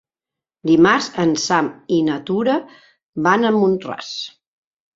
Dimarts en Sam i na Tura van a Mont-ras.